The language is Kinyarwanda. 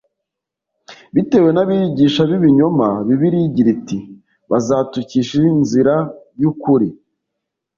bitewe n’abigisha b’ibinyoma bibiliya igira iti bazatukisha inzira y’ukuri